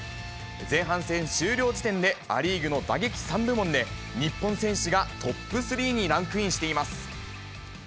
前半戦終了時点でア・リーグの打撃３部門で、日本選手がトップ３にランクインしています。